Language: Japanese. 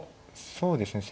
そうですね